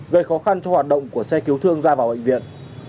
gây khó khăn cho hoạt động của xe cứu thương ra vào bệnh viện